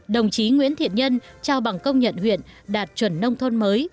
đồng chí nguyễn thiện nhân trao bằng công nhận huyện đạt chuẩn nông thôn mới